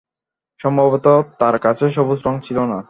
সম্ভবত তার কাছে সবুজ রঙ ছিল না।